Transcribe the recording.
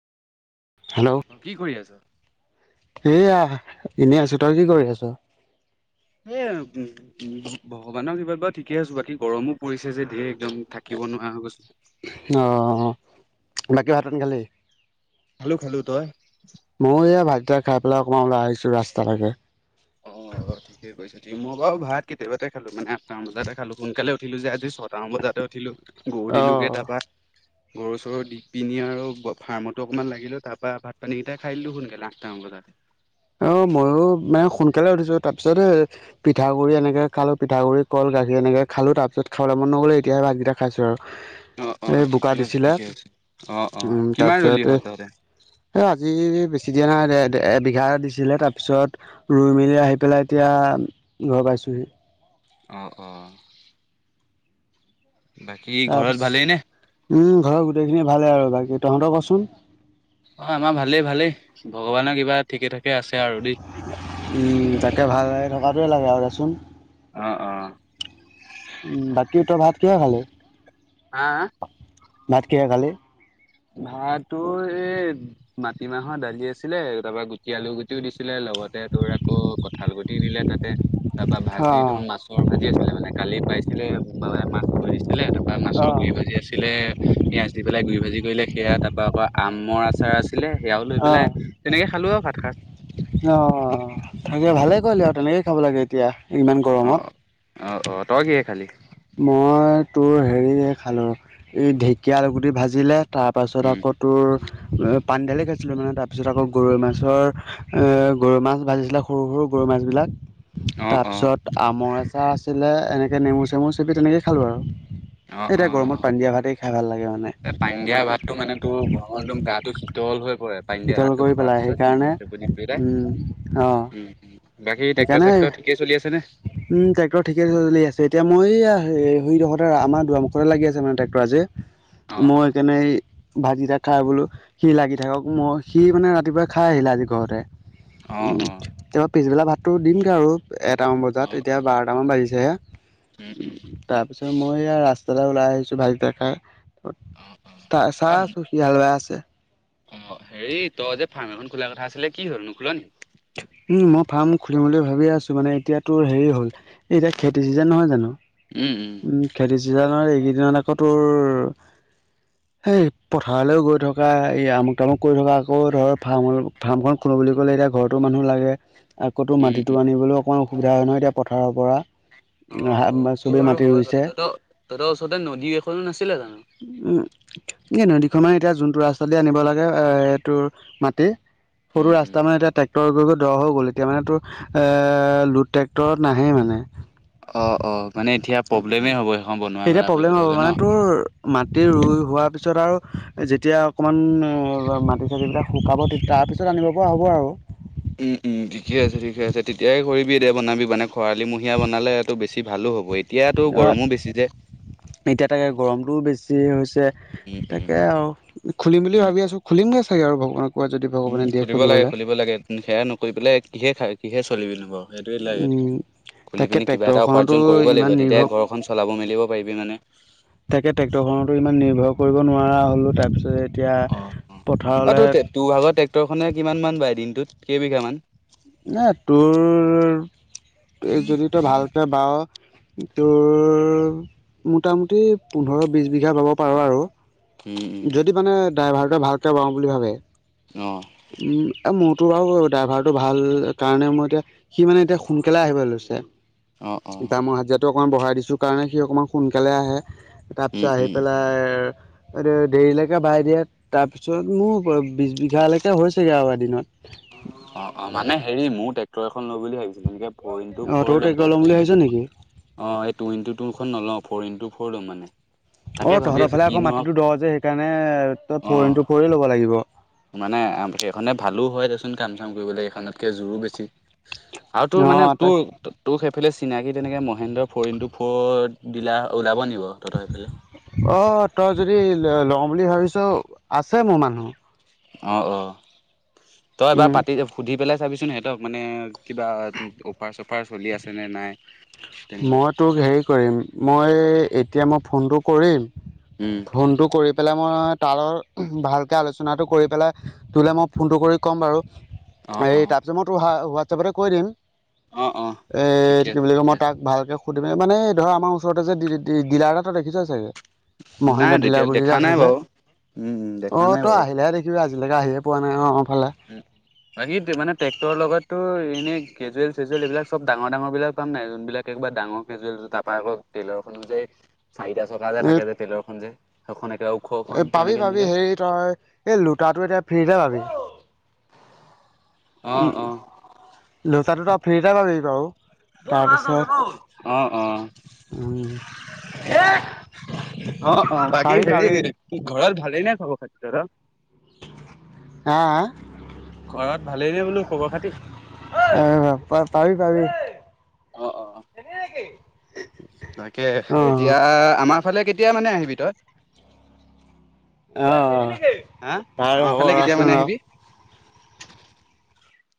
Hello অ কি কৰি আছা? এয়া এনেই আছো তই কি কৰি আছ এ ভগৱানক কৃপাত বাৰু ঠিকে আছো বাকী গৰমো পৰিছে যে ধেৰ একদম থাকিব কব নোৱাৰা হৈ গৈছো অ বাকী ভাত পানী খালি খালো খালো তই ময়ো এয়া ভাত কেইটা খাই পেলাই অকণমান ওলাই আহিছো ৰাস্তা লেকে অ অ ঠিকে কৈছ মই বাৰু ভাত কেতিয়াবাতে খালো মানে আঠটা মান বজাতে খালো সোনকালে উঠিলো যে আজি ছটা মান বজাতে উঠিলো গৰু অঁ দিলোগে তাপা গৰুৰ চৰুৰ দি পিনি আৰু ফাৰ্মতো অকণমান লাগিলো তাৰ পৰাৰা ভাত পানীকেইটা খাই দিলো সোনকালে আঠটা মান বজাতে অ ময়ো মানে সোনকালে উঠিছো তাৰ পিছতে পিঠা গুৰি এনেকে খালো পিঠা গুৰি কল গাখীৰ এনেকে খালো তাৰ পিছত খাবলে মন নগ'লে এতিয়ে ভাত কেইটা খাইছো আৰু অ অ এই বোকা ঠিকে আছে দিছিলে ঠিকে আছে। অ অ কিমান ৰলি তাৰপিছতে হয় তহঁতে? এ আজি বেছি দিয়া নাই এ বিঘা ছিলে তাৰপিছত ৰুই মেলি আহি পেলাই এতিয়া ঘৰ পাইছোহি অ অ বাকী ঘৰত তাৰপিছত ভালেই নে উম ঘৰৰ গোটেইখিনিয়ে ভালে আৰু বাকী তহঁতক কচোন অ আমাৰ ভালেই ভালেই ভগৱানৰ কৃপাত ঠিকে ঠাকে আছে আৰু দেই। উম তাকে ভাল থকাটোৱে লাগে আৰু দেচোন অ অ উ বাকী তই ভাত কিহে খালি হা ভাত কিহে খালি ভাতো এই মাটিমাহৰ দালি আছিলে তাৰাপৰা গুটি আলু গুটিও দিছিলে লগতে তোৰ আকৌ কঁঠাল গুতি দিলে তাতে তাৰ পৰা ভাজি অ', তো মাছৰ ভাজি আছিলে মানে কালি পাইছিলে বাবাই মাছ থৈ দিছিলে তাৰ মাছৰ অ'। গুৰি ভাজি আছিলে পিঁয়াজ দি পেলাই গুৰি ভাজি কৰিলে সেয়া তাৰ পৰা আকৌ আমৰ আচাৰ আছিল আছিলে সেয়াও লৈ পেলাই তেনেকে খালো আৰু ভাত সাঁজ অ তাকে ভালে কৰিলি আৰু তেনেকেই খাব লাগে এতিয়া ইমান অ', অ', গৰমত অ', তই কিহে খালি মই তোৰ হেৰি খালো এই ঢেকীয়া আলু গুটি ভাজিলে তাৰ পাছত উম, আকৌ তোৰ পানী দালি খাইছিলো মানে ত ত পিছত আকৌ গৰৈ মাছৰ গৰৈ মাছ ভাজিছিলে সৰু সৰু গৰৈ মাছবিলাক অ', তাৰ অ', পিছত আমৰ আঁচাৰ আছিলে এনেকে নেমু চেমু চেপি তেনেকে খালো আৰু অ', এতিয়া অ', গৰমত অ'। পানী দিয়া ভাতে খাম এ পান দিয়া ভাতটো মানে তোৰ ঘৰৰ একদম গাটো শীতল হৈ পৰে পাই দিয়া শীতল ভাতটো কৰি খোৱাৰ পেলাই পিছত সেইকাৰণে নেমু চেপি দি পেলাই উম অঁ উম বাকী ট্ৰেক্টৰ সেইকাৰণে চেক্টৰ ঠিকেই চলি আছে নে উম ট্ৰেক্টৰ ঠিকে চলি আছে এতিয়া মই আমাৰ দোৱামুখতে লাগি আছে মানে ট্ৰেক্টৰ আজ যে অ', মই অ'। সেইকাৰণে এই [unintelligible] ভাত গিতা খাই বোলো সি লাগি থাকক মই সি মানে ৰাতিপুৱাই খাই আহিলে আজি ঘৰতে অ', উম অ'। তাপা পিছবেলা ভাতটো দিমগে আৰু এটামান বজাত অ', এতিয়া অ', বাৰটামান বাজিছে যে উম উম মই ইয়া ৰাস্তা এটা ওলাই আহিছো ভালিটা- অ', অ'। চাহ চাহ অ', চুখি হাল বে আছে। অ হেৰি তই যে ফাৰ্ম এখন খোলা কথা আছিলে কি হল নোখোলা নেকি? উম মই ফাৰ্ম খুলিম বুলি ভাবি আছো মানে এতিয়াাতোৰ হেৰি হ'ল এতিয়া খেতি চিজন নহয় জানো উম খেতি চিজান ন এইকেইদিনত আকৌ তোৰ সেই পথাৰলৈও গৈ থকা এই আমুক তামুক কৰি থকা আকৌ ধৰ ফাৰ্ম ফাৰ্মখন খ বুলি ক'লে এতিয়া ঘৰৰতো মানুহ লাগে। আকৌ উম, মাটিতটো উম, আনিবলৈ অকণমান অসুবিধা হয় নহয় এতিয়া পথাৰৰ পৰা অ', অ', সেইটো চবেই বাৰু মাটি হয় ৰুইছে কথাতো ত তহত ওচৰতে নদী এখনো নাছিলে জানো উম এই নদীখনৰ এতিয়া যোনটো ৰাস্তা দে আনিব লাগে অ সেইটো মাটি উম, সৰু উম। ৰাস্ত মানে এতিয়া ট্ৰেক্টৰ গৈ গৈ দ হৈ গ'ল এতিয়া মানে তো এ লুড ট্ৰেক্টৰত নাহেই মানে অ অ মানে এতিয়া প্ৰব্লেমেই হ'ব সেইখন বনোৱা এতিয়া মেলা প্ৰব্লেম কৰিবলৈ হ'ব হ'লে ন? মানে তোৰ মাটি ৰুই হোৱাৰ পিছত আৰু যেতিয়া অকমান মাটি চাটিবিলাক শুকাব তেতিয়া তাৰপিছত আনিব পৰা হ'ব আৰু উম উম ঠিকে আছে ঠিকে আছে তেতিয়াহে কৰিবি এ দেয়া বনাবি মানে খৰালিমহীয়া বনালেটো বেছি ভালো হ'বয়া এতিয়া তাকে গৰমটোও বেছি যি হৈছে উম তাকে উম আৰু খুলিম বুলি উম ভাবি আছোঁ খুলিমগৈ চাগৈ আৰু ভগৱানক কোৱা যদি ভগৱানে উম দিয়ে খুধিব লাগে খুলিবলৈ খুলিব লাগে সেয়া নকৰি পেলাই কিহে খ কিহে চলিবি বাৰু সেইটোৱে লাগে উম, খুলি তাকে পিনি কিবা এটা ট্ৰেক্টৰখনতো উপাৰ্জন কৰিব ইমান লাগিব তেতিয়ে নিৰ্ভৰ ঘৰখন চলাব মেলিব পাৰিবি মানে তাকে ট্ৰেক্টৰখনতো ইমান নিৰ্ভৰ কৰিব নোৱাৰা হ'লোঁ তাৰপিছত এতিয়া অ অ পথাৰলৈ ত তোৰ ভাগৰ ট্ৰেক্টৰখনে কিমান মান বাই দিনটোত কেইবিঘা মান ন তোৰ যদি তই ভালকে বৰো তোৰ মোটামুটি পোন্ধৰ বি বিঘা পাব পাৰো আৰু উম উম যদি মানে ড্ৰাইভাৰকে ভালকে বাওঁ বুলি ভাবে অ উম এ মোৰতো বাৰু ড্ৰাইভাৰটো ভাল কাৰণে মই এতিয়া সি মানে এতিয়া সোনকালে আহিব লৈছে অ অ এ ড মৰ হাজিয়াটো অকণমান বঢ়াই দিছো কাৰণে সি অকণমান সোনকালে আহে উম তাৰপিছত আহি উম পেলাই দেৰিলৈকে বাই দিয়ে তাৰপিছত মোৰ বি বিঘালৈকে হৈছেগে আৰু এদিনত অ অ মানে হেৰি মোৰ ট্ৰেক্টৰ এখন লৈ বুলি ভাবিছো অঁ তয়ো ট্ৰেক্টৰ ল'ম বুলি ভাবিছ নেকি অ তুইনটিতুখন নলও [unintelligible] ফ'ৰ ইনটু ফ'ৰ লম মানে [unintelligible] অ ভাবি তহঁতৰ আছোঁ ফালে আকৌ কিনো হওক মাটিটো দৰ যে সেইকাৰণে তই অ ফৰিনটো ফৰি ল'ব লাগিব মানে সেইখনে ভালো হয় দেচোন কাম চাম কৰিবলে এইখনতকে জোৰো বেছি আৰু অ তোৰ মানে তাক তোৰ তোৰেই ইফালে চিনাকি তেনেকে মহেন্দ্ৰৰ ফ'ৰ ইনটু ফ'ৰ দিলা ওলাব নেকি অ তই যদি লওঁ বুলি ভাবিছো আছে মোৰ মানুহ অ অ তইবাৰ উম পাতি সুধি পেলাই চাবিছোন সিহঁতক মানে কিবা অফাৰ চফাৰ চলি আছে নে নাই তেনেকে মই তোক হেৰি কৰিম মই এতিয়া মই ফোনটো কৰিম উম ফোনটো কৰি পেলাই মই তালৰ ভালকে আলোচনাটো কৰি পেলাই তোলে মই ফোনটো কৰি ক'ম বাৰু অ এই অ তাৰপিছত মই হোৱাটছএপতে কৈ দিম অ অ এ ঠিকে কি আছে বুলি ক ঠিকে মই আছে ভালকে সুধিমে মানে ধৰ আমাৰ ওচৰতে যে ডিলাৰ এটাটো দেখিছ চাগে নাই মহেন্দ্ৰ দলাৰ তেতিয়া বুলি যে দেখা আছে নাই যে বাৰু উম উম অ দেখা নাই তই বাৰু আহিলেহে দেখিবি আজি এতিকে আহিয়ে পোৱা নাই অ ফালে উ বাকী মানে ট্ৰেক্টৰৰ লগত ত' এনেই কেজুৱেল চেজুৱেল এইবিলাক চব ডাঙৰ ডাঙৰ বিলাক পাম নাই যোনবিলাক একবাৰ ডাঙৰ কেজুৱেল তাপৰা আকৌ টেইলৰ খনো যে চাৰিটা চকা যে এই থাকে যে টেইলৰ খন যে সেইখন একেবাৰে এ ওখখন পাবি তেনেকে পাবি তেনেকে হেৰি তই এই লোটাটো এতিয়া ফ্ৰীতে পাবি অ অ দুটা দুটা ফ্ৰীতে পাবি বাৰু বল মাছ ধওগে তাৰপিছত বল অ অ উম অ বাকী পাবি হেৰি পাবি ঘৰত ভালে নে খবৰ খাটি তহঁতৰ হা হা ঘৰত ভালেই নে বোলো খবৰ খাতি হা পাবি পাবি অ অ তাকে অ এতিয়া আমাৰ এফালে কেতিয়া মানে আহিবি তই অ হা বাৰু আমাৰ হ'ব ফালে কেতিয়া ৰচোন মানে ৰ আহিবি